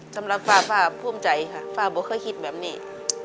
สำหรับฟ้าป้าภูมิใจค่ะฟ้าบอกเคยคิดแบบนี้